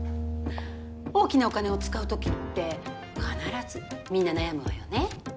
大きなお金を使うときって必ずみんな悩むわよね？